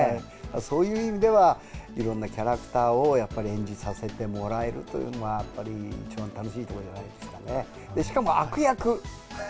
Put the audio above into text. そういう意味では、いろんなキャラクターをやっぱり演じさせてもらえるというのは、やっぱり一番楽しいところじゃないですかね。